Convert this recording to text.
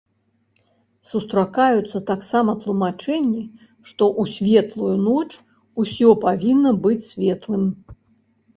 Сустракаюцца таксама тлумачэнні, што ў светлую ноч усё павінна быць светлым.